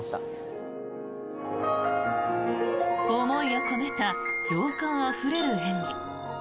思いを込めた情感あふれる演技。